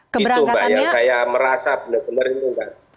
itu mbak yang saya merasa benar benar ini mbak